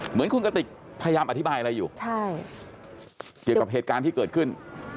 เหมือนคุณกติกพยายามอธิบายอะไรอยู่ใช่เกี่ยวกับเหตุการณ์ที่เกิดขึ้น